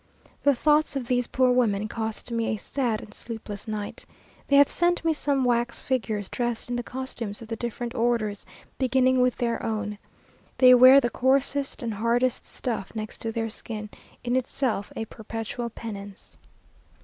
The thoughts of these poor women cost me a sad and sleepless night. They have sent me some wax figures, dressed in the costumes of the different orders, beginning with their own. They wear the coarsest and hardest stuff next their skin, in itself a perpetual penance.